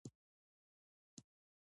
کله کله به یې ویني کړه مشوکه